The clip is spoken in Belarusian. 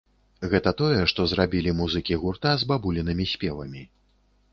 Гэта тое, што зрабілі музыкі гурта з бабулінымі спевамі.